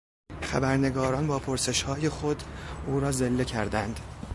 خبرنگاران با پرسشهای خود او را ذله کردند.